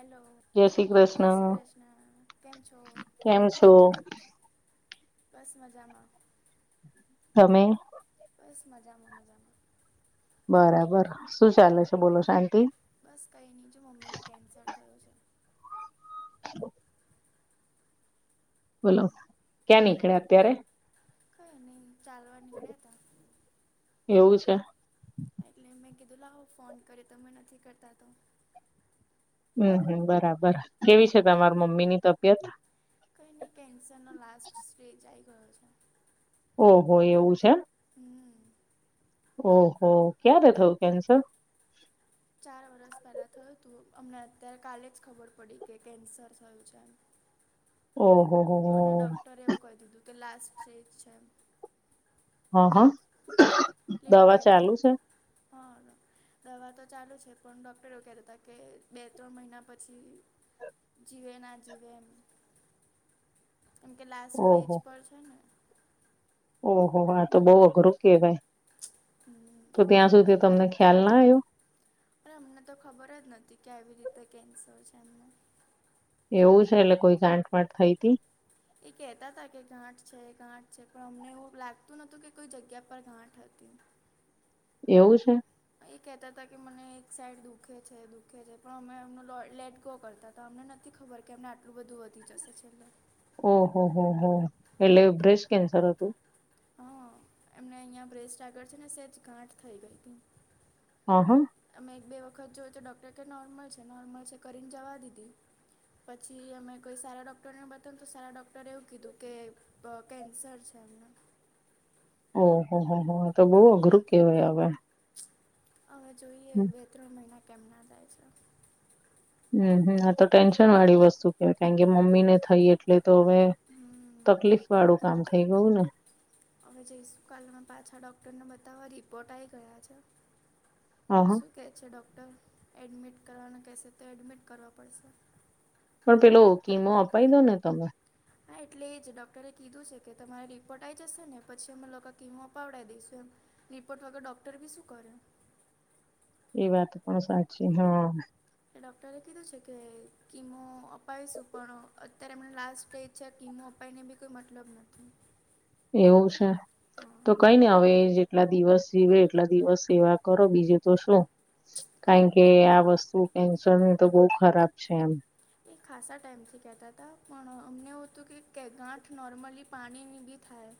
એલો. જય શ્રી જય કૃષ્ણ શી કૃષ્ના. કેમ છો? કેમ છો બસ, મજામાં. તમે? બસ, મજામાં મજામાં. બરાબર. શું ચાલે છે, બોલો શાંતિ? બસ કઈ નહી જો મમ્મીને કેન્સર થયું છે. હેલો! બોલો, ક્યાં નીકળયા અત્યારે? કઈ નહી ચાલવા નીકળ્યાતા. એવું છે? એટલે મેં કીધું લાવ ફોન કર્યો તમે નથી કરતા તો અમ હમ બરાબર. કેવી છે તમાર મમ્મીની તબિયત? કઈની કેન્સરનો લાસ્ટ સ્ટેજ આઈ ગયો છે. ઓહો એવું છે એમ? હમ્મ. ઓહો ક્યારે થયું કેન્સર? ચાર વરસ પહેલા થયું તું અમને અત્યારે કાલે જ ખબર પડી કે કેન્સર થયું છે એમ. ઓહોહો. અને ડોક્ટરે એવું કહી દીધું કે લાસ્ટ સ્ટેજ છે એમ. અહ હ અ કે એવું કહેતાતા. [unintelligible] દવા તો ચાલુ છે પણ ડોક્ટર એવું કહેતાતા કે બે-ત્રણ મહિના પછી જીવે ના જીવે એમ. કેમ કે લાસ્ટ સ્ટેજ પર છે ને. ઓહોહો આ તો બહુ અઘરું કહેવાય. હમ્મ. તો ત્યાં સુધી તમને ખ્યાલ ના આયો? પણ અમને તો ખબર જ નથી કે આવી રીતે કેન્સર છે એમને. એવું છે એટલે કોઈ ગાંઠ વાંઠ થઈતી? એ કેતાતા કે ગાંઠ છે ગાંઠ છે પણ અમને એવું લાગતું નતું કે કોઈ જગ્યા પર ગાંઠ હતી. એવું છે? એ કેતાતા કે મને એક સાઈડ દુખે છે, દુખે છે પણ અમે એમનો લો લેટ ગો કરતાતા તો અમને નથી ખબર કે અમને આટલું બધું વધી જશે છેલ્લે. ઓહ હો હો હો એટલે બ્રેસ્ટ કેન્સર હતું? હઅ એમને અહિયાં બ્રેસ્ટ આગળ છે ને સહેજ ગાંઠ થઈ ગઈતી. અ હ અમે એક બે વખત જોય તો ડોક્ટર ક નોર્મલ છે. નોર્મલ છે કરીને જવા દીધી. પછી અમે કોઈ સારા ડૉક્ટરને બતાવયુ ન તો સારા ડૉક્ટરે એવું કીધું કે અ કેન્સર છે એમને. ઓહ હો હો હો આ તો બહુ અઘરું કેવાય હવે. હવે જોઈએ હમ બે-ત્રણ મહિના કેમ ના જાય છ. હમ્મ, હમ્મ, આ તો ટેન્શનવાળી વસ્તુ કેહવાય કારણ કે મમ્મીને થઈ એટલે એ તો હવે હમ તકલીફવાળું કામ થઈ ગયુંન. હવે જઈશું કાલેમાં પાછા ડોક્ટરને બતાવવા રિપોર્ટ આવી ગયા છે. હા હા શું કહે છે ડૉક્ટર. એડમિટ કરવાના કહેશે તો એડમિટ કરવા પડશે. પણ પેલો કિમો અપાઈ દો ને તમે. હા એટલે એ જ ડોક્ટરે કીધું છે કે તમારે રિપોર્ટ આવી જશે ને પછી અમે લોકો કીમો અપાવડાઈ દઈશું એમ. રિપોર્ટ વગર ડૉક્ટર બી શું કરે? એ વાત પણ સાચી. હ અ. એટલે ડોક્ટરે કીધું છે કે કિમો અપાવીશું પણ અત્યારે એમને લાસ્ટ સ્ટેજ છે કીમો અપાઈને બી કોઈ મતલબ નથી. એવું છે. હા તો કઈ ને હવે જેટલા દિવસ જીવે એટલા દિવસ સેવા કરો બીજે તો શું. કાયકે આ વસ્તુ કેન્સરની તો બવ ખરાબ છે એમ. એ ખાસા ટાઈમથી કેહેતા હતા પણ અમને એવું હતું કે ગાંઠ નોર્મલી પાણીની બી થાય.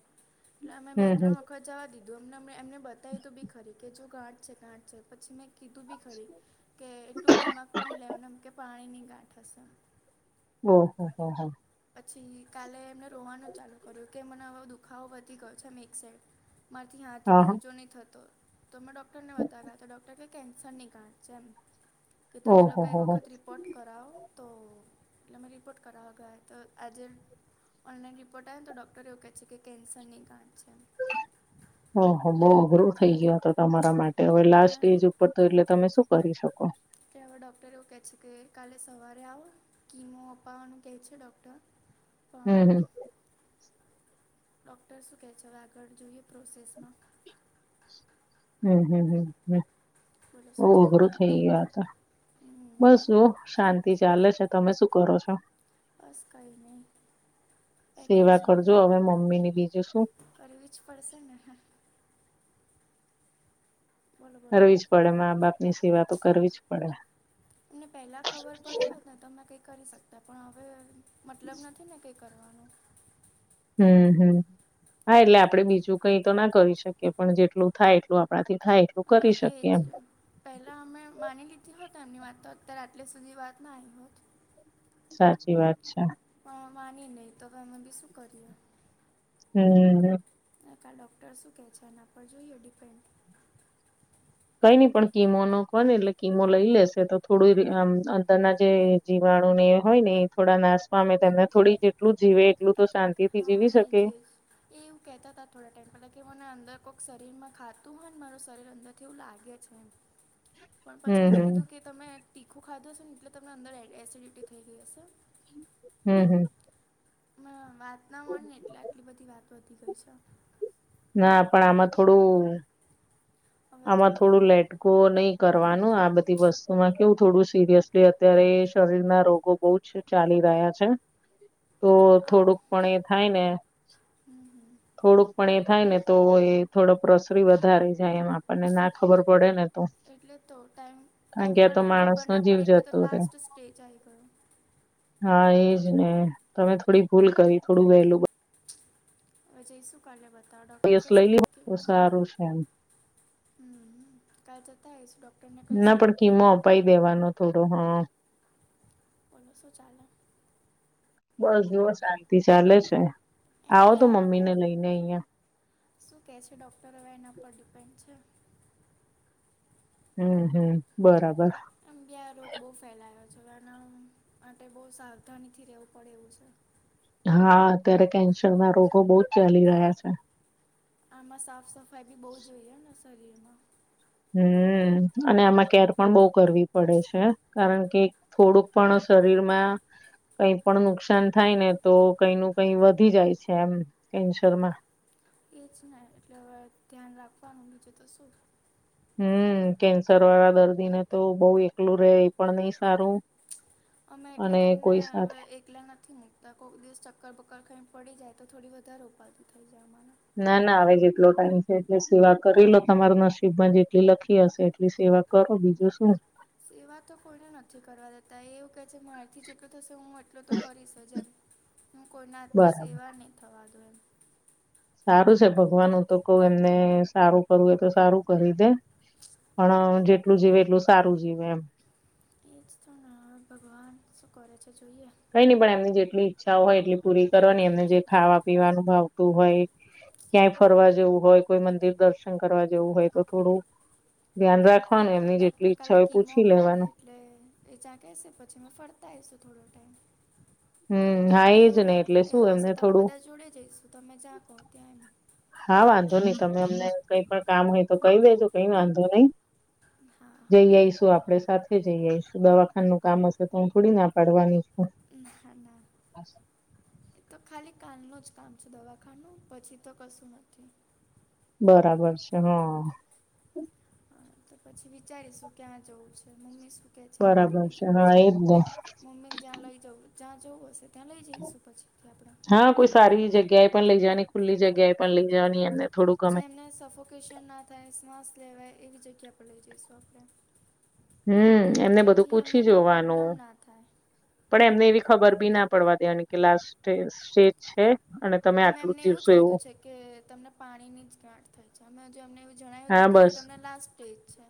એટલા અમે બે હમ હમ ત્રણ વખત જવા દીધું અમને એમને બતાય્યું તું બી ખરી કેજો ગાંઠ છે ગાંઠ છે પછી મેં કીધું બી ખરી કે એટલું દિમાગ પણ ની લેવાનું એમ કે પાણીની ગાંઠ હશે. ઓ હો હો હા. પછી કાલે એમને રોવાનું ચાલુ કર્યું કે મને હવે દુખાવો વધી ગયો છે એમ એક સાઈડ. મારીથી હાથ હા બી હા ઊંચો નહીં થતો તો મેં ડૉક્ટરને બતાવ્યા તો ડૉક્ટર કે કેન્સર ની ગાંઠ છે એમ કે તમે ઓહો લોકો હો એક હો વખત રી પોર્ટ કરાઓ તો એટલે અમે રિપોર્ટ કરાવા ગયા. તો આજે ઓનલાઈન રિપોર્ટ આયો ને તો ડૉક્ટર એવું કે છે કે કેન્સરની ગાંઠ છે એમ. હ હ બઉ અઘરું થઇ ગયુ આતો તમારા માટે હવે લાસ્ટ એટલે સ્ટેજ ઉ તો તો એટલે તમે શું કરી શકો? કે અવે ડૉક્ટર એવું કે છે કે કાલે સવારે આવો કિમો અપાવાનું કહે છે ડૉક્ટર હમ, પણ હમ. ડૉક્ટર શું કહે છે હવે આગળ જોઈએ પ્રોસેસમાં. હમ્મ હમ્મ હમ્મ હમ્મ. બોલો શું બોહ ચાલે અઘરું થઈ ગયુ આ તો. બસ હમ જુઓ શાં તિ ચાલે છે તમે શું કરો છો? બસ કંઈ નહીં બેઠા સેવા છીએ કરજો હવે મમ્મી ની બીજું શું. કરવી જ પડશે ને. બોલો બોલો કરવી જ પડે માં બાપ ની સેવા તો કરવી જ પડે. ને પહેલા ખબર પડી હોત ને તો અમે કઈ કરી શકતે પણ હવે મતલબ નથી ને કઈ કરવાનું. હમ્મ હમ્મ હા એટલે આપડે બીજું કઈ તો ના કરી શકીએ, પણ જેટલું થાય એટલું આપણાથી થાય એટલું હા કરી એજ. શકીએ એમ. પહેલા અમે માની લીધી હોત એમની વાત તો અત્યારે આટલી સુધી વાત ના આઈ હોત. સાચી વાત છે. પણ માની નહી તો હવે અમે બી શું કરીએ. હમ્મ હમ્મ. ને કાલ ડોક્ટર શું કહે છે એના પર જોઈએ ડિપેન્ડ કઈ નઈ પણ કીમો નો કો ને એટલે કિમો લઈ લેશે તો થોડું આમ અંદરના જે જીવાણું એ હોય ને એ થોડા નાશ પામે તને થોડી જીવે એટલું તો શાંતિ થી હા જીવી એ જ શકે. એ જ એવું કહેતા હતા થોડા ટાઈમ પહેલાં કે મને અંદર કોઈક શરીરમાં ખાતું હોય ને મારું શરીર અંદરથી એવું લાગે છે એમ. [inaudible] [unintelligible] પણ પછી હમ મે હમ કીધું કે તમે તીખું ખાધું હશે ને એટલે તમને અંદર એ-એસિડિટી થઈ ગઈ હશે. હમ્મ હમ્મ. હમણાં વાતના માની ને એટલે આટલી બધી વાતો ગઈ છે. ના પણ આમાં થોડું આમાં થોડું લેટ ગો નહી કરવાનું આ બધી વસ્તુમાં કેવું થોડું સિરિયસલી અત્યારે શરીરના રોગો બહુજ ચાલી રહ્યા છે. [inaudible] [unintelligible] તો આ થોડુંક પણ એ થાય ને, હમ હમ થોડુંક પણ એ થાય ને, તો એ થોડો પ્રસરી વધારે જાય એમાં, અને ના ખબર પડે ને તો, એટલે તો. ટાઈમ કારણ ટાઈમ કે આ પર તો ખબર માણસ નો ના જીવ પડે એટલે તો જતો રે લાસ્ટ સ્ટેજ આઈ ગયો. હા એજ ને. તમે થોડી ભૂલ કરી થોડું વહેલું, અવે જઈશું કાલે બતાવા, ડૉક્ટર યસ કેસે લઈ લીધું તો સારું છે એમ [unintelligible] હમ હમ કાલ જતા આઈશું ડોક ના પણ કીમો અપાઈ દેવાનો થોડો, હં. ઓલું શું ચાલે? બસ જુઓ શાંતિ ચાલે છે, એમ આવો બી તો આ રોગ મમ્મીને લઈને અહિયાં. શું કહે છે, ડૉક્ટર હવે એના પર ડિપેન્ડ છે. હમ્મ હમ્મ‌ બરાબર. એમ બી આ રોગ બહુ ફેલાયો છે, આના માટે બહુ સાવધાનીથી રહેવું પડે એવું છે. હા અત્યારે કેન્સરના રોગો બહુ જ ચાલી રહ્યા છે. આમાં સાફ સફાઈ બી બહુ જોઈએને શરીરમાં. હમ્મ અને આમાં કેર પણ બહુ કરવી પડે છે. કારણ કે થોડુંક પણ શરીરમાં, કંઈ પણ નુકસાન થાય ને, તો કંઈ ન કંઈ વધી જાય છે એમ કેન્સરમાં. એ જ ને. એટલે હવે ધ્યાન રાખવાનું બીજુ તો શું? હમ કેન્સરવાળા દર્દીને તો બહુ એકલું રહેે એ પણ નહી સારું. અમે એટલે અને તો એમને કોઈ હવે સાથે એક લા નથી મૂકતા. કોઈક દિવસ ચક્કર બક્કર ખઈન પડી જાય તો થોડી વધારે ઉપાદી થઈ જાય અમને. ના ના હવે જેટલો ટાઈમ છે, એટલી સેવા કરી લો. તમાર નસીબમાં જેટલી લખી હશે એટલી સેવા, કરો બીજું શું. સેવા તો કોઈને નથી કરવા દેતા. એ એવું કહે છે મારીથી જેટલું થશે હું એટલું તો કરીશ જે એમ. હું કોઈના હાથની બરાબર સેવા નહીં થવા દવ એમ. સારું છે ભગવાન. હું તો કઉ એમને સારું કરવું એય તો સારું કરી દે. પણ જેટલું જીવે એટલું સારું જીવે એમ. એ જ તો ના હવે ભગવાન શું કરે છે જોઈએ. કંઈ નહી પણ એમની જેટલી ઈચ્છાઓ હોય એટલી પૂરી કરવાની. એમને જે ખાવા પીવાનું ભાવતું હોય ક્યાંય ફરવા જવું હોય, કોઈ મંદિર દર્શન કરવા જવું હોય, તો થોડું ધ્યાન રાખવાનું. હવે એમની ડૉક્ટર જેટલી ઈચ્છા કાલે હોય કીમો પૂછી અપાઈ દે લેવાનું એટલે એ જ્યાં કહેશે પછી અમેં ફરતા આઈશું થોડો ટાઈમ. હમ હા એજ ને એવું એટલે શું એવું હશે એમને તો આપણેે થોડું બધા જોડે જઈશું તમે જ્યાં કહો ત્યાં એમ. હા વાંધો નઈ. તમે અમને કંઈ પણ કામ હોય તો કઈ દેજો. કંઈ વાંધો નહીં. એમ હા હા જઈ આઈશું આપણે સાથે. જઈ આવીશું, દવાખાનું કામ હશે તો હું થોડી ના પાડવાની છું. ના ના. એ તો ખાલી કાલનુ જ કામ છે દવાખાનું. પછી તો કશું નથી બરાબર છે હમ્મ. હા તો પછી વિચારીશું ક્યાં જવું છે. મમ્મી શું કે છે એના પર બરાબર ડિપેન્ડ હા છે. એજ ને મમ્મીને જ્યાં લઈ જ્યાં જવું હશે ત્યાં લઈ જઈશું, પછી થી આપણે. હા કોઈ સારી જગ્યાએ પણ લઈ જવાની ખુલ્લી જગ્યાએ પણ લઈ જવાની એમને થોડું ગમે જેમને સફોકેશન ના થાય શ્વાસ લેવાય એવી જગ્યા પર લઈ જઈશું આપણે હમ એમને બધું જેથી એમને પૂછી કોઈ પ્રોબ્લેમ જોવાનું ના થાય પણ એમને એવી ખબર બી ના પડવા દેવાની કે લાસ્ટ સ્ટેજ છે. અને તમે અમે આટલું એમને એવું જ જીવશો કીધું છે, કે તમને પાણીની જ ગાંઠ થાય છે, અમે હજુ એમને એવું જણાવ્યું જ હા નથી કે બસ તમને લાસ્ટ સ્ટેજ છે.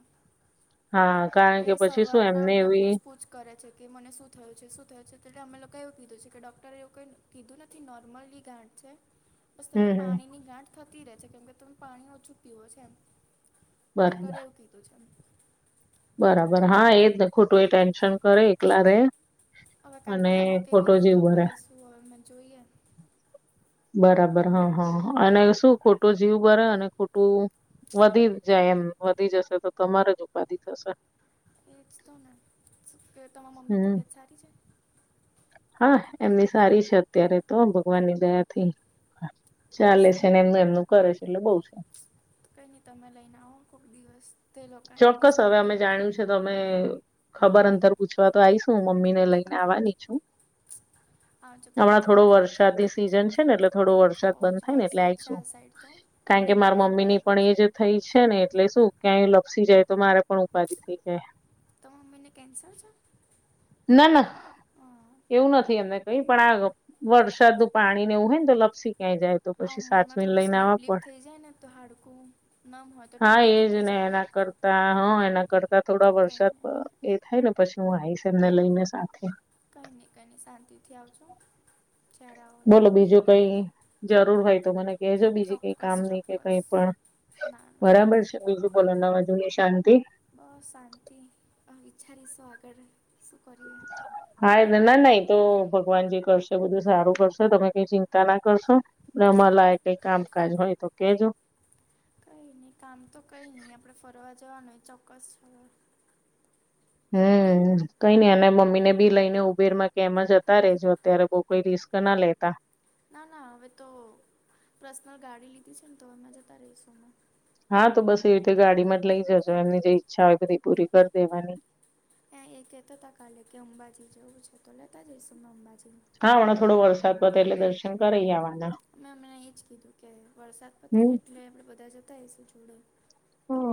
હા. કારણ એ કે પછી શું સવારના એમને અમને એવી પૂછ પૂછ કરે છે, કે મને શું થયું છે, શું થયું છે, એટલે અમે લોકો એવું છે, કે ડોક્ટરે એવું કઈ કીધું ન થી નોર્મલી ગાંઠ છે. બસ હમ તમને હમ પાણીની ગાંઠ થતી રહે છે, કેમ કે તમે પાણી ઓછું પીવો છે, એમ ડૉક્ટરે બરાબર એવું કીધું છે. બરાબર હા એજ ખોટું એ ટેન્શન કરે એકલા રે હવે કાલે અને કિમો કેવી ખોટો રીતે જીવ ભરે અપાઈશું હવે અમે જોઈએ. બરાબર હ હ અને શું ખોટો જીવ કરે અને ખોટું વધી જાય એમ વધી જશે તો તમારે જ ઉપાધિ થશે. એજ તો ને શુ કે તમારી મમ્મીની હમ તબિયત સારી છે. હા એમની સારી છે, અત્યારે તો ભગવાનની દયા થી બસ ચાલે છે, ને એમનું એમનું કરે છે, એટલે બહું છે. તો કંઈની તમે લઈને આવો કોઈક દિવસ તે લોકાને બી સારું લાગે છો તમે ખબર અંતર પૂછવા તો આવીશું મમ્મી ને લઈને આવાની છું [inaudible] હમણાં થોડો પણ વરસાદની સિઝન છે, ને એટલે થોડો વરસાદ બહુ જ બંધ થાય ને એટલે વરસાદ છે આઈશું આ સાઈડ તો કારણ કે પાણી મારા પાણી મમ્મીની ભરાઈ ગયું પણ છે એ જ થઈ છે, ને એટલે શું ક્યાંય લપસી જાય તો મારે પણ ઉપાધિ થઈ જાય. ત મમ્મીને કેન્સર છે? ના ના હા એવુ નથી એને કઈ પણ આ વરસાદનું પાણી નેવું હોય ને તો લપસી ક્યાં જાય તો આ પછી ઉંમરમાં સાચવીને થોડું લઈને સ્લીપ આવવા બ્લીપ પડે થઈ જાય ને તો હાડકું નર્મ હોય તો હા તૂટી એજ બુટી ને જાય. એના કરતા હ એના કરતા થોડા વરસાદ કંઈ નહીં એ થાય ને પછી હું આવીશ એમને લઈને સાથે કઈ ની કઈ ની શાંતીથી આવજો જ્યારે આવો બોલો ત્યારે બીજુ કઈ જરૂર હોય તો મને કેજો બીજી કંઈ ચોક્કસ કામની કે ચોક્કસ કઈ પણ ના ના બરાબર છે, બીજું બોલો [unintelligible] જોઈએ શાંતિ અ શાંતિ અ વિચારીશું આગળ શું કરીએ હાય નનાને એતો ભગવાન જે કરશે બધું સારું કરશે તમે કંઈ ચિં તાના કરશો અમારે લઈ કઈ કામકાજ હોયતો કેજો કઈ નહીં કામ તો કંઈ ની આપણે ફરવા જવાનુ એ ચોક્કસ હું કઈ ની અને મમ્મીને ભી લઈને ઊબેરમાં કે એમ જતા રેજો અત્યારે બો કોઈ રિસ્કના લેતા નાના હવે તો પર્સનલ ગાડી લીધી છે, ન તો અમે જતા રહીશું અમે હા તો બસ એવી રીતે ગાડીમાં જ લઈ જજો એમની જે ઈચ્છા હોય બધી પૂરી કરી દેવાની એયા એ કહેતા હતા કાલે કે અંબાજી જવું છે, તો લેતા જઈશું મેં અંબાજી હા હમણાં થોડો વરસાદ પતે એટલે દર્શન કરી આવાના મેં એમને એજ કીધું કે વરસાદ હમ પતેને એટલે આપણે બધા જતા હઈશું જોડે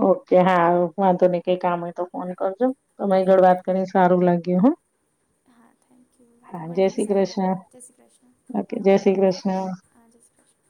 ઓકે હા વાંધો નહીં કંઈ કામ હોયતો ફોન કરજો. તમારી જોડ વાત કરીની સારું લાગ્યું હો. [unintelligible] [inaudible] હા થેન્કયુ મને ભી શ્રી સારું લાગે કૃષ્ણ જયશ્રીકૃષ્ણ. ઓકે જય શ્રી કૃષ્ણ હા જય શ્રી કૃષ્ણ.